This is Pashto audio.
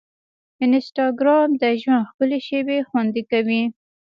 انسټاګرام د ژوند ښکلي شېبې خوندي کوي.